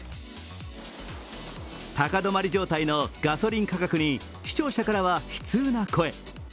高止まり状態のガソリン価格に視聴者からは悲痛な声。